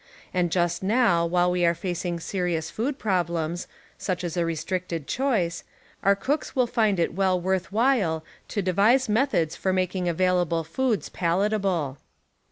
And just now while we are facing serious food problems, such as a restricted choice, our cooks will find it well worth while to de vise methods for making available foods palatable.